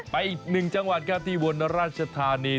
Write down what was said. ไปอีกหนึ่งจังหวัดค่ะที่วนรัชธานี